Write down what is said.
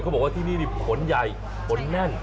เขาบอกว่าที่นี่ขนใหญ่ขนแน่น